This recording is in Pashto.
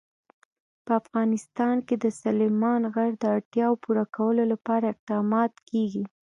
په افغانستان کې د سلیمان غر د اړتیاوو پوره کولو لپاره اقدامات کېږي.